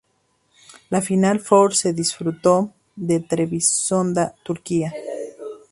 La final four se disputó en Trebisonda, Turquía.